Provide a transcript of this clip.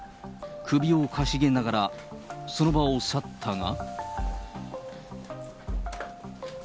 首をかしげながら、その場を去ったが。